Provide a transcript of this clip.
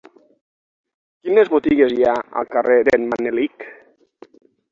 Quines botigues hi ha al carrer d'en Manelic?